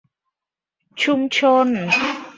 ชุมชน